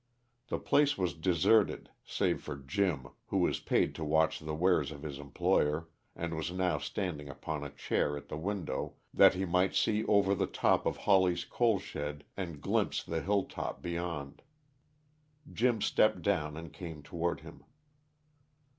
The place was deserted save for Jim, who was paid to watch the wares of his employer, and was now standing upon a chair at the window, that he might see over the top of Hawley's coal shed and glimpse the hilltop beyond. Jim stepped down and came toward him.